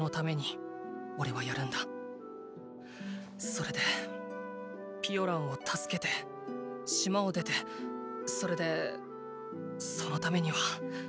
それでピオランを助けて島を出てそれでそのためには。